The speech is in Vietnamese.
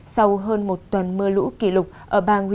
sau hơn một tuần mưa lũ kỳ lạ